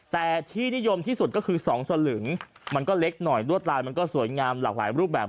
แต่ที่นิยมที่สุดก็คือ๒สลึงมันก็เล็กหน่อยรวดลายมันก็สวยงามหลากหลายรูปแบบ